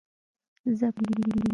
ځپلي خلک عوامي کلتور ته مخه کوي.